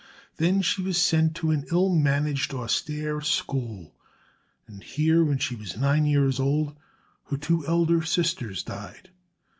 Then she was sent to an ill managed austere school, and here when she was nine years old her two elder sisters died.